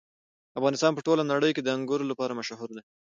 افغانستان په ټوله نړۍ کې د انګور لپاره مشهور دی.